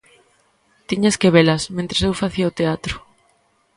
Tiñas que velas, mentres eu facía o teatro.